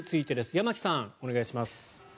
山木さん、お願いします。